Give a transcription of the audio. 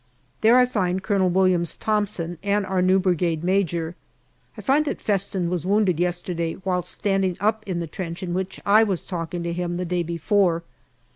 There I find Colonel Williams Thomson and our new Brigade Major. I find that Festin was wounded yesterday whilst standing up in the trench in which I was talking to him the day before.